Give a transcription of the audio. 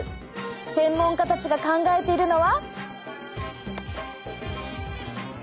専門家たちが考えているのは。